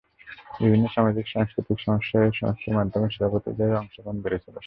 বিভিন্ন সামাজিক সাংস্কৃতিক সমস্যায় এই সংস্থার মাধ্যমে স্থপতিদের অংশগ্রহণ বেড়ে চলছে।